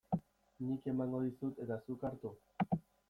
Nik emango dizut eta zuk hartu?